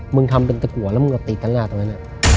มึงทำเป็นตะกรัวแล้วมึงเอาติดตั้งหน้าตรงนั้น